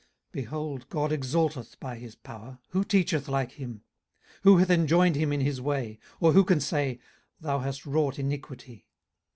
18:036:022 Behold, God exalteth by his power: who teacheth like him? 18:036:023 Who hath enjoined him his way? or who can say, Thou hast wrought iniquity?